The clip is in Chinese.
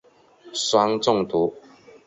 酸中毒。